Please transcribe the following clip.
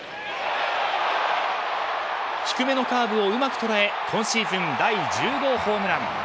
低めのカーブをうまく捉え今シーズン第１０号ホームラン。